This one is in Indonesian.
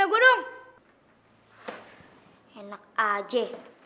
aku mau tapi dia akan kacau terus